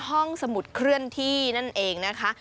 เป็นห้องสมุดเคลื่อนที่นั่นเองนะคะ